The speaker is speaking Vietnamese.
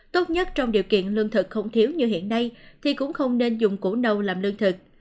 tốt nhất trong điều kiện lương thực không thiếu như hiện nay thì cũng không nên dùng củ nâu làm lương thực